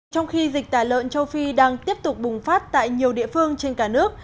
trong khi dịch tả lợn châu phi đang tiếp tục bùng phát tại nhiều địa phương trên cả nước